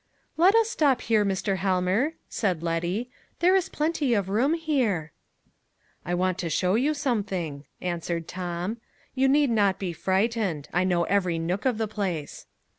"Let us stop here, Mr. Helmer," said Letty. "There is plenty of room here." "I want to show you something," answered Tom. "You need not be frightened. I know every nook of the place."